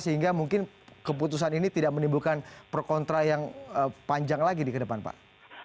sehingga mungkin keputusan ini tidak menimbulkan perkontra yang panjang lagi di kedepan pak